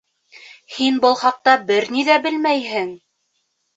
Һин был хаҡта бер ни ҙә белмәйһең.